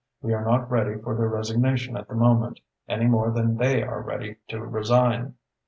We are not ready for their resignation at the moment, any more than they are ready to resign."